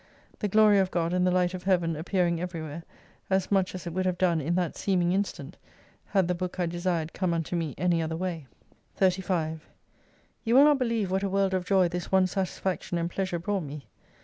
The Glory of God and the Light of Heaven appearing everywhere, as much as it would have done in that seeming instant, had the Book I desired come unto me any other way. 35 You will not believe what a world of joy this one satisfaction and pleasure brought me.